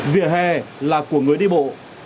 vỉa hè là của người đi bộ